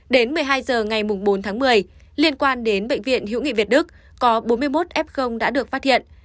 đến một mươi hai h ngày bốn tháng một mươi liên quan đến bệnh viện hữu nghị việt đức có bốn mươi một f đã được phát hiện